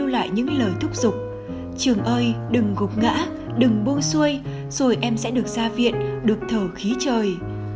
lại những lời thúc giục trường ơi đừng gục ngã đừng bôi xuôi rồi em sẽ được ra viện được thở khí trời